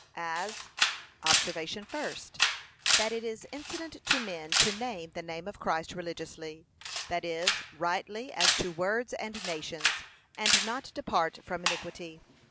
As, [OBSERVATION FIRST.] That it is incident to men to name the name of Christ religiously, that is, rightly as to words and nations, and not to 'depart from iniquity.'